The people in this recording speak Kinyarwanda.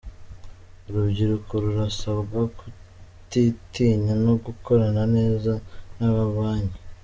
Urubyiruko rurasabwa kutitinya no gukorana neza n’amabanki